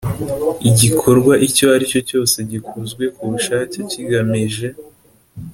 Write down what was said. igikorwa icyo ari cyo cyose gikozwe ku bushake kigamije